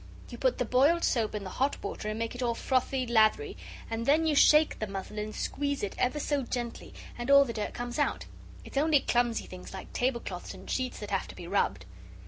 You put the boiled soap in the hot water and make it all frothy lathery and then you shake the muslin and squeeze it, ever so gently, and all the dirt comes out. It's only clumsy things like tablecloths and sheets that have to be rubbed."